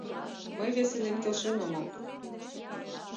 Мый весе ден келшен омыл.